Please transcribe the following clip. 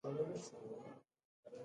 • بښل مهارت ته اړتیا لري.